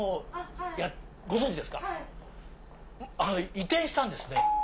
移転したんですね